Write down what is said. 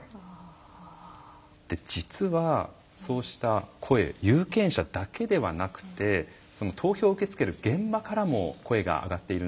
実はそうした声有権者だけではなくて投票を受け付ける現場からも声が上がっているんです。